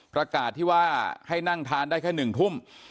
ประกาศที่ว่าให้นั่งทานได้แค่๑ทุ่ม